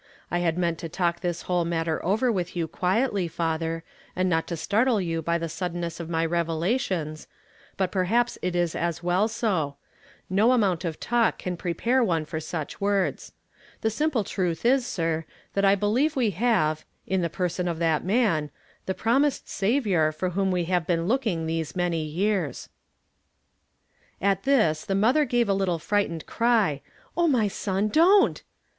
I had meant to talk this whole matter over with you quietly, father, and not to startle you by the suddenness of my revelations, but perhaps it is as well so ; no amount of talk can prepare one for such words. The simple truth is, sir, that I believe we have, in the person of that man, the promised Saviour for whom we liave been looking these many yeai s." At this the mother gave a little frightened cry, "O my son! Don't!